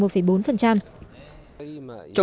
trong phiên giáo dịch